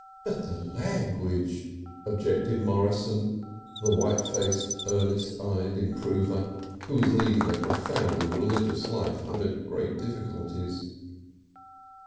"But the language!" objected Morrison, the white faced, earnest eyed improver, who was leading a profoundly religious life under great difficulties.